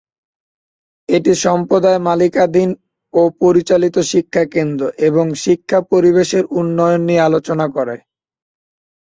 এটি সম্প্রদায়-মালিকানাধীন ও পরিচালিত শিক্ষা কেন্দ্র এবং শিক্ষা পরিবেশের উন্নয়ন নিয়ে আলোচনা করে।